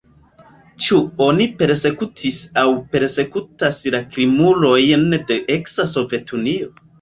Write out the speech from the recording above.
Ĉu oni persekutis aŭ persekutas la krimulojn de eksa Sovetunio?